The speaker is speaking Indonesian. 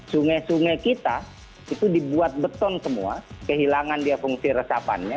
sungai sungai kita itu dibuat beton semua kehilangan dia fungsi resapannya